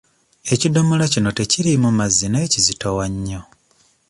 Ekidomola kino tekiriimu mazzi naye kizitowa nnyo.